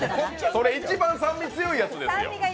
それ一番酸味が強いやつですよ。